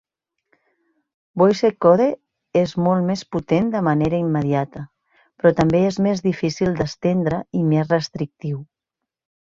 Voice Code és molt més potent de manera immediata, però també és més difícil d'estendre i més restrictiu.